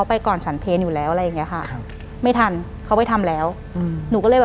หลังจากนั้นเราไม่ได้คุยกันนะคะเดินเข้าบ้านอืม